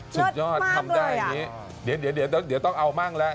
สุดยอดทำได้อย่างนี้เดี๋ยวต้องเอามั่งแล้ว